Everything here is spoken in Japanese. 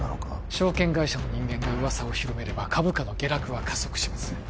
証券会社の人間が噂を広めれば株価の下落は加速します